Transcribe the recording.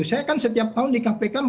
saya kan setiap tahun di kpk